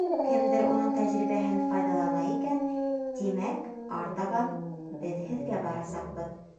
Кемдер уның тәжрибәһен файҙалана икән, тимәк, артабан беҙ һеҙгә барасаҡбыҙ.